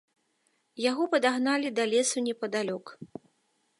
Яго падагналі да лесу непадалёк.